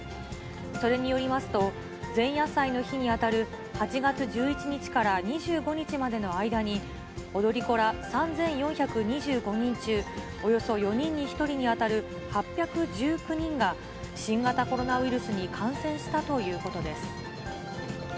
それによりますと、前夜祭の日に当たる８月１１日から２５日までの間に、踊り子ら３４２５人中、およそ４人に１人に当たる８１９人が、新型コロナウイルスに感染したということです。